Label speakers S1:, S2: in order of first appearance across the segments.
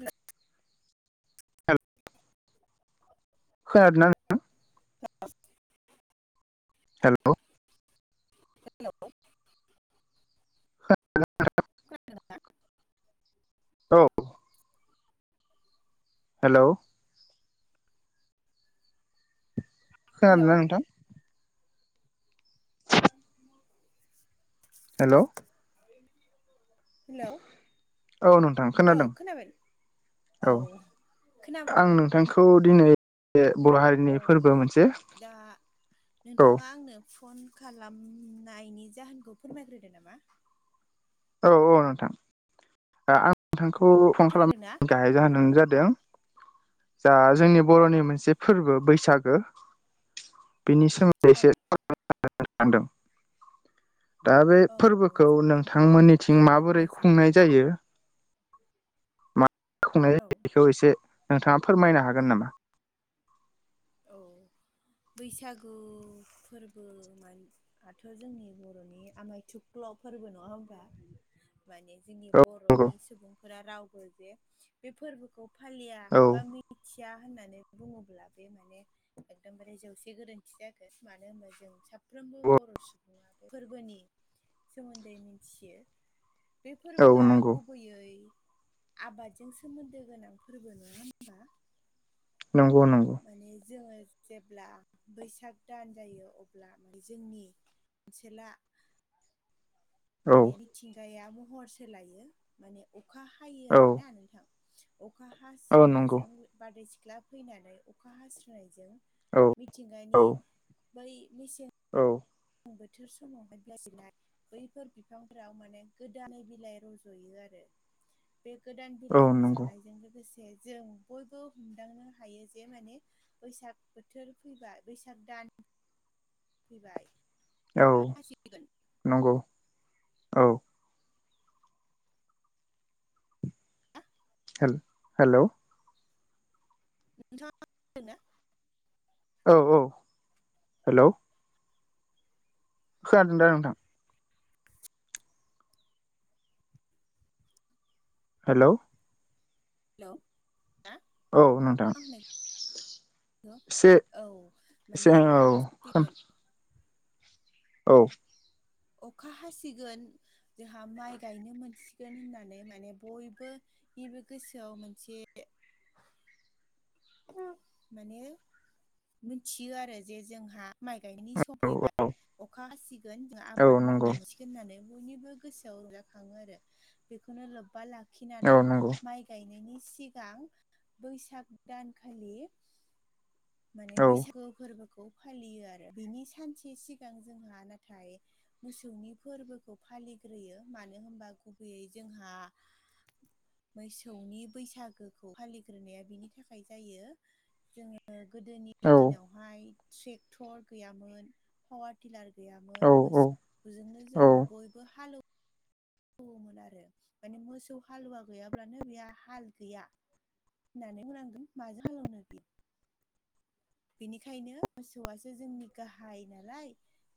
S1: हो
S2: खोनादोना [unintelligible]
S1: [unintelligible]
S2: hello
S1: hello
S2: खो [unintelligible] औ हेलौ खोना
S1: हेलौ
S2: दोना नोंथां?
S1: [unintelligible] [unintelligible]
S2: हेल'
S1: [unintelligible] हेलौ
S2: औ नोंथां
S1: ओ
S2: खोनादों
S1: खोनाबाय? औ खोनाबाय
S2: आं नोंथांखौ दिनै बे बर' हारिनि
S1: औ
S2: फोरबो मोनसे औ
S1: पन खालामनायनि जाहोनखौ फोरमाय ग्रोदो नामा।
S2: औ औ नोंथां। दा आं नोंथांखौ फन खालाम
S1: खोनादोंना
S2: गाहाय जाहोनानो जादों। जा जोंनि बर'नि मोनसे फोरबो बैसागो बिनि
S1: औ
S2: सोमोन्दैसो [unintelligible] दा बे
S1: औ
S2: फोरबोखौ नोंथांमोनिथिं
S1: जोबोद
S2: माबोरै
S1: मोजां
S2: खुंनाय जायो? मा खुंनाय
S1: औ
S2: जायो। बिखौ एसे नोंथाङा फोरमायनो हागोन नामा?
S1: औ बैसागु फोरबो मान आथ' जोंनि बर'नि आमायथुख्ल' फोरबो नङा होमबा? माने जोंनि
S2: औ नंगौ
S1: बर'नि सुबुंफोरा रावबो जे बे फोरबोखौ फालिया
S2: औ
S1: बा मिथिया होननानै बुङोब्ला बे माने एकदमबारे जौसे गोरोन्थि जागोन। मानो होमबा जों साब फ्रोमबो बर' सुबुङा बे फोरबोनि सोमोन्दै मिन्थियो। बे
S2: औ
S1: फोरबोआ
S2: नंगौ
S1: गुबैयै आबादजों सोमोन्दो गोनां फोरबो नङा होमबा
S2: नोंगौ नों
S1: माने जोङो जेब्ला बैसाग दान जायो अब्ला माने जोंनि सेला
S2: औ
S1: माने मिथिंगाया महर सोलायो माने अखा हायो
S2: औ
S1: आरोना नोंथां। अखा
S2: औ नंगौ
S1: हास्रोनायजों बारदैसिख्ला फैनानै अखा हास्रोनायजों
S2: औ औ
S1: मिथिंगानि बै मेसें
S2: औ
S1: [unintelligible] समावहाय बिलाय सोरिनाय बैफोर बिफांफोराव माने गोदानै बिलाइ रज'यो आरो। बे गोदान
S2: औ
S1: बिलाइ
S2: नंगौ
S1: रज'नायजों लोगोसे जों बयबो हमदांनो हायो जे माने बैसाग बोथोर फैबा बैसाग दान फैबाय अखा
S2: औ
S1: हासिगोन
S2: नंगौ औ। हेल हेल'
S1: नोंथाङा खोनादोंना
S2: औ औ हेल' खोनादों दा नोंथां हेल'
S1: हेल' हा?
S2: औ नोंथां
S1: बेखौ?
S2: एसे
S1: औ
S2: एसे
S1: माने अखा
S2: औ
S1: हासिगोन
S2: औ
S1: अखा हासिगोन जोंहा माइ गायनो मोनसिगोन होननानै माने बयबो बेबो गोसोआव मोनसे माने मिथियो आरो जे जोंहा माइ गायनायनि सम
S2: औ
S1: फैबाय।
S2: औ
S1: अखा हासिगोन जों
S2: औ
S1: आबाद
S2: नंगौ
S1: मावनो मोनसिगोन होननानै बयनिबो गोसोआव रंजाखाङो आरो बेखौनो लोब्बा
S2: औ
S1: लाखिनानै
S2: नंगौ
S1: माइ गायनायनि सिगां बैसाग दानखालि माने
S2: औ
S1: बैसागु फोरबोखौ फालियो आरो बिनि सानसे सिगां जोंहा नाथाय मोसौनि फोरबोखौ फालिग्रोयो मानो होनबा गुबैयै जोंहा मोसौनि बैसागोखौ फालिग्रोनाया बिनि थाखाय जायो जोङो
S2: औ
S1: गोदोनि दिनावहाय ट्रेक्टर गैयामोन पावार टेलार गैयामोन
S2: औ
S1: मोसौ जोंनो
S2: औ
S1: जोङो बयबो हालोव हालोवोमोन आरो माने मोसौ हालुवा गैयाब्लानो बेहा हाल गैया। होननानै बुंनांगोन माजों हालेवनो बियो बेनिखायनो मोसौआसो जोंनि गाहाय नालाय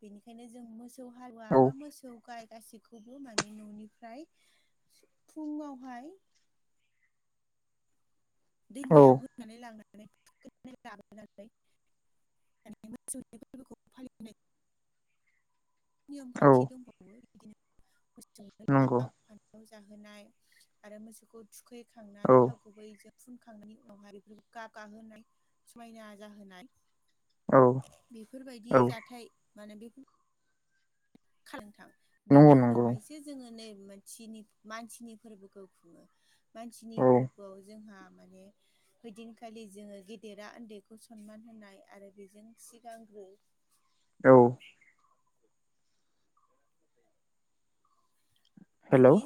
S1: बेनिखायनो जों मोसौ मोसौ हालुवा
S2: औ
S1: बा मोसौ गाइ गासैखौबो माने न'निफ्राय फुङावहाय
S2: औ
S1: दैमायाव होनानै लांनानै थुखैनानै लाबोनानै माने मोसौनि फोरबोखौ फालिनाय नियम
S2: औ
S1: खान्थि दंबावो बिदिनो मोसौनो
S2: नंगौ
S1: लाउ फान्थाव जाहोनाय आरो मोसौखौ
S2: औ
S1: थुखैखांनानै थाव गुबैजों फुनखांनायनि उनावहाय बेफोरखौ गाब गाहोनाय समायना जाहोनाय
S2: औ
S1: बेफोरबायदि
S2: औ
S1: जाथाय माने बेफोर खालामो नोंथां
S2: नंगौ
S1: बेनि
S2: नंगौ
S1: उनावहायसो जोङो नै मानसिनि-मानसिनि फोरबोखौ खुङो। मानसिनि
S2: औ
S1: फोरबोआव जोंहा माने ओइदिनखालि जोङो गेदेरा उन्दैखौ सनमान होनाय आरो बेजों सिगांग्रो
S2: औ हेलौ
S1: बिनि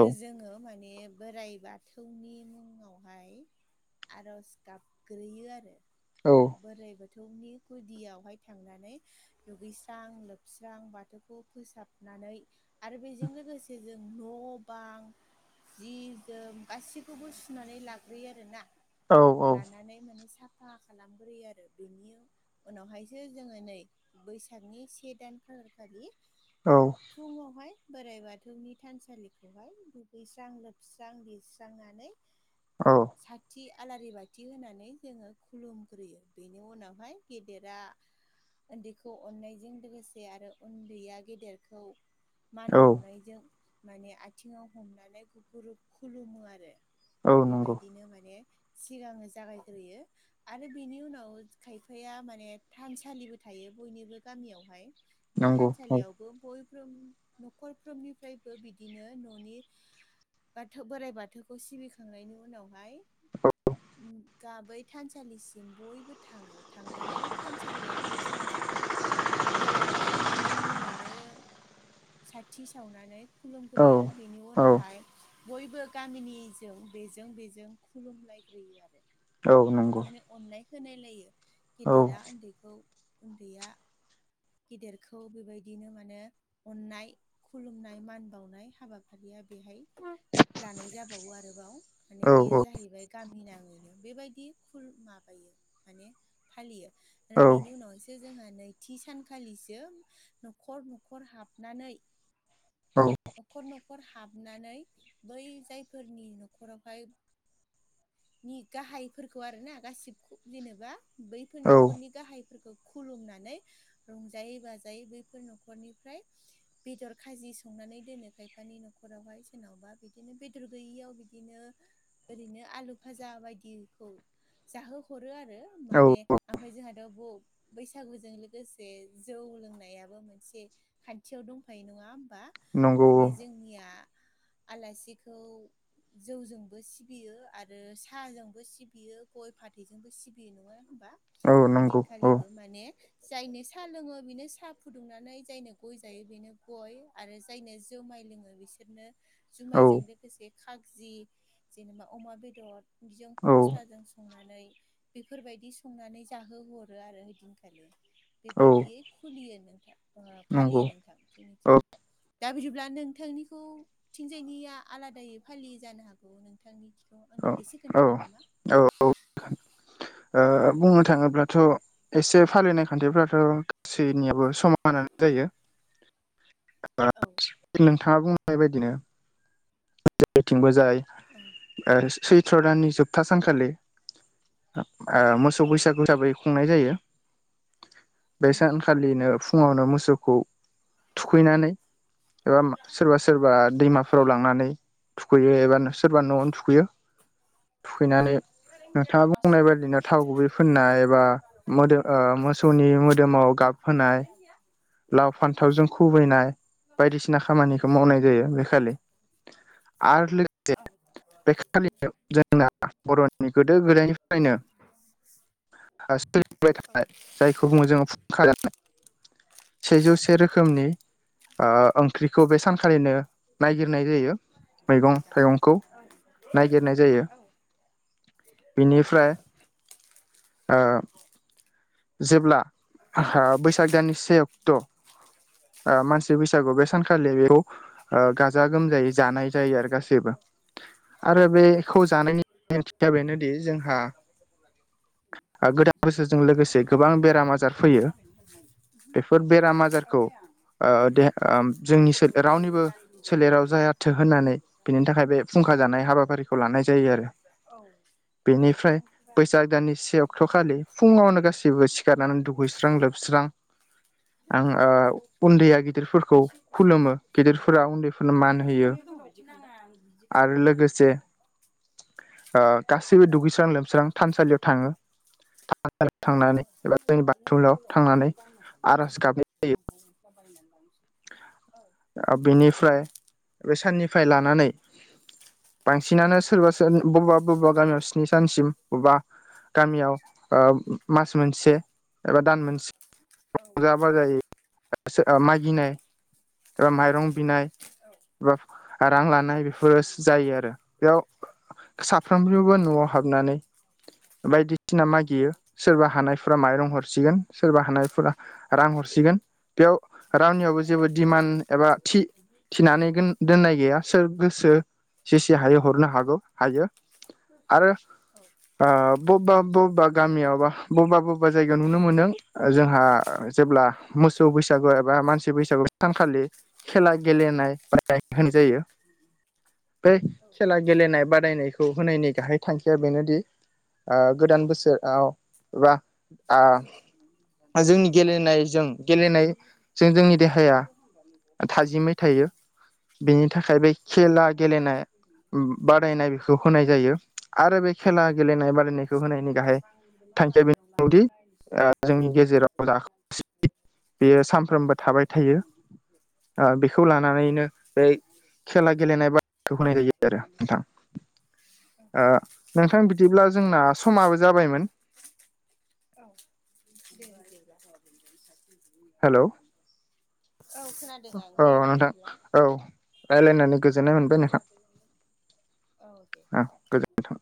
S2: औ
S1: जोङो माने बोराइ बाथौनि मुङावहाय आर'ज गाबग्रोयो आरो।
S2: औ
S1: बोराइ बोथौनि गुदियावहाय थांनानै दुगैस्रां लोबस्रां बाथौखौ फोसाब नानै आरो बेजों लोगोसे जों न' बां जि जोम गासैखौबो सुनानै लाग्रोयो आरोना।
S2: औ
S1: लानानै माने साफा खालामग्रोयो आरो बेनि उनावहायसो जोङो नै बैसागनि से दान खालार खालि
S2: औ।
S1: फुङावहाय बोराइ बाथौनि थानसालिखौहाय दुगैस्रां लोबस्रां लिरस्रांनानै
S2: औ
S1: साथि आलारि बाथि होनानै जोङो खुलुमग्रोयो बेनि उनावहाय गेदेरा उन्दैखौ अननायजों लोगोसे आरो उन्दैया गेदेरखौ मान
S2: औ
S1: बावनायजों माने आथिङाव हमनानै गुगुरुब खुलुमो आरो
S2: औ नंगौ
S1: बेबायदिनो माने सिगाङो जागायग्रोयो। आरो बेनि उनाव खायफाया माने थानसालिबो थायो बयनिबो गामियावहाय। बे
S2: नंगौ औ
S1: थानसालियावबो बयफ्रोम न'खरफ्रोमनिफ्रायबो बिदिनो न'नि बाथौ बोराइ बाथौखौ सिबिखांनायनि उनावहाय गाबै थानसालिसिम बयबो थाङो थांनानै बे थानसालियावबो जोंहा बोराइ बाथौनि मुङैनो साथि सावनानै
S2: औ
S1: खुलुमग्रोयो बेनि
S2: औ
S1: उनावहाय बयबो गामिनिजों बेजों बेजों खुलुमलायग्रोयो आरो
S2: औ नंगौ।
S1: माने अनलाय होनायलायो
S2: औ
S1: गेदेरा उन्दैखौ उन्दैया गेदिरखौ बेबायदिनो माने अननाय खुलुमनाय मान बावनाय हाबाफारिया बेहाय लानाय जाबावो आरोबाव माने
S2: औ
S1: बियो जाहैबाय गामि नाङैनो बेबायदि खुर माबायो माने फालियो
S2: औ
S1: आरो बेनि उनाव जोंहा नैथि सानखालिसो न'खर न'खर हाबनानै
S2: औ
S1: न'खर न'खर हाबनानै बै जायफोरनि न'खरावहाय नि गाहायफोरखौ आरो ना गासिबखौ जेनेबा बैफोर
S2: औ
S1: न'खरनि गाहायफोरखौ खुलुमनानै रंजायै बाजायै बैफोर न'खरनिफ्राय बेदर खाजि संनानै दोनो खायफानि न'खरावहाय सोरनावबा बिदिनो बेदर गैयियाव बिदिनो ओरैनो आलु भाजा बायदिखौ जाहोहरो आरो
S2: औ
S1: माने ओमफ्राय जोंहाथ' बु बैसागुजों लोगोसे जौ लोंनायाबो मोनसे खान्थियाव दंफायो नङा होमबा।
S2: नंगौ
S1: माने जोंनिया आलासिखौ जौजोंबो सिबियो आरो ओ साहाजोंबो सिबियो गय फाथैजोंबो सिबियो नङा होनोमबा।
S2: औ नंगौ औ
S1: ओइदिनखालिबो माने जायनो साहा लोङो बेनो साहा फुदुंनानै जायनो गय जायो बेनो गय आरो जायनो जुमाय लोङो बैसोरनो
S2: औ
S1: जुमायजों लोगोसे खाजजि जेनेबा अमा बेदर बिजों
S2: औ
S1: फस्ताजों संनानै बेफोरबायदि संनानै जाहोहरो आरो ओइदिनखालि बेबायदि खुलियो नोंथां ओ
S2: नंगौ
S1: फालियो नोंथां
S2: औ
S1: जोंनिथिं। दा बिदिब्ला नोंथांनिखौथिंजायनिया आलादायै फालियै जानो हागौ नोंथांनि थिखौ
S2: औ
S1: एसे खोन्थादो नामा?
S2: औ औ ओ बुंनो थाङोब्लाथ' एसे फालिनाय खान्थिफोराथ' गासैनियाबो समानानो जायो।
S1: औ
S2: [unintelligible] नोंथाङा बुंनाय बायदिनो जेरैथिंबो जाय
S1: औ
S2: ओ सैथ्र' दाननि जोबथा सानखालि ओ मोसौ
S1: औ
S2: बैसागु हिसाबै खुंनाय जायो बे
S1: नंगौ
S2: सानखालिनो फुङावनो मोसौखौ थुखैनानै एबा सोरबा सोरबा दैमाफोराव लांनानै थुखैयो एबा सोरबा न'आवनो थुखैयो। थुखैनानै
S1: कारेन्ट गैया
S2: नोंथाङा
S1: नामा सि
S2: बुंनाय बायदिनो थाव गुबै
S1: कारेन्ट गैया
S2: फोननाय एबा
S1: कारेन्ट
S2: मोदोम
S1: गैया
S2: ओ मोसौनि मोदोमाव गाब
S1: एसे
S2: होनोनाय लाव फान्थावजों खुबैनाय बायदिसिना खामानिखौ मावनाय जायो बेखालि
S1: [inaudible]
S2: आरो लोगोसे बे खालि जोंना बर'नि गोदो-गोदायनिफ्रायनो सोलिबाय थानाय जायखौ बुङो जोङो [unintelligible] सेजौसे रोखोमनि ओ ओंख्रिखौ बे सानखालिनो नागिरनाय जायो। मैगं-थाइगंखौ नायगिरनाय जायो। बेनिफ्राय ओ जेब्ला आहा बैसाग दाननि से अक्ट' ओ मानसि बैसागु बे सानखा खालि बेखौ गाजा गोमजायै जानाय जायो आरो गासैबो
S1: [unintelligible]
S2: बेनि ओंथिया बेनोदि जोंहा ओ गोदान बोसोरजों लोगोसे गो गोबां बेराम आजार फैयो बेफोर बेराम आजारखौ ओ देहा ओम जोंनि रावनिबो सोलेराव जायाथों होननानै बिनि थाखाय बे फुंखा जानाय हाबाफारि बेनिफ्राय
S1: औ
S2: बैसाग
S1: औ
S2: जेबो सिखारनानै दुहैस्रां-लोबस्रां आं ओ उन्दैया गिदिरफोरखौ
S1: एसे
S2: खुलुमो
S1: औ दे
S2: गिदिरफोरा उन्दै आरो लोगोसे
S1: [unintelligible]
S2: ओ गासैबो दुगैस्रां-लोबस्रां थानसालियाव थाङो। थांनानै एबा जोंनि बाथौलयाव थांनानै आर'ज गाबो
S1: [unintelligible]
S2: ओ बेनिफ्राय बे साननिफ्राय लानानै बांसिनानो सोरबा सोरो बबा बबेबा गामियाव स्नि सानसिम बबेबा गामियाव ओ मास मोनसे एबा दान मोनसे
S1: औ
S2: [unintelligible] जायो मागिनाय ओ माइरं बिनाय
S1: औ
S2: बा रां लानाय बेफोरो जायो आरो बेयाव साफ्रोमनिबो न'आव हाबनानै बायदिसिना मागियो सोरबा हानायफोरा माइरं हरसिगोन सोरबा हानायफोरा रां हरसिगोन बेयाव रावनियावबो जेबो दिडिमान्ड एबा थि थिनानै गो दोननाय गैया सोर गोसो जेसे हायो हरनो हागौ हायो। आरो आ बबेबा बबेबा गामियाव बा बबेबा बबेबा जायगायाव नुनो मोनदों। जोंहा जेब्ला मोसौ बैसागु एबा मानसि बैसागु सानखालि खेला गेलेनाय [unintelligible] होनाय जायो।
S1: [inaudible]
S2: बै खेला गेलेनाय बादायनायखौ होनायनि गाहाय थांखिया बेनोदि ओ गोदान बोसोराव एबा आ जोंनि गेलेनायजों गेलेनाय जों जोंनि देहाया थाजिमै थायो
S1: [unintelligible]
S2: बेनि थाखाय बे खेला गेलेनाय बादायनाय बेखौ होनाय आरो खेला गेलेनाय बादायनायखौ होनायनि गाहाय थांखिया बेनोदि जोंनि गेजेराव
S1: [unintelligible]
S2: बेयो सामफ्रोमबो थाबाय थायो। थायो ओ बेखौ लानानैनो बे खेला गेलेनाय बाद खौ होनाय जायो आरो नोंथां
S1: [inaudible]
S2: ओ नोंथां बिदिब्ला जोंना समाबो जाबायमोन।
S1: [unintelligible]
S2: हेलौ
S1: औ खोनादों आं
S2: औ
S1: दे
S2: नोंथां
S1: बिदिब्ला।
S2: औ रायलायनो गोजोननाय मोनबाय। नोंथां
S1: औ दे
S2: औ गोजोनथों